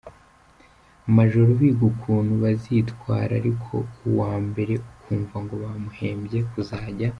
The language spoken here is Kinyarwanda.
amajoro biga ukuntu bazitwara ariko uwambere ukumva ngo bamuhembye kuzajya.